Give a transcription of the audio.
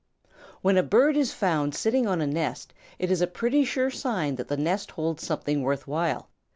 When a bird is found sitting on a nest, it is a pretty sure sign that that nest holds something worth while.